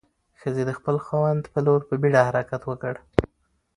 ښځې د خپل خاوند په لور په بیړه حرکت وکړ.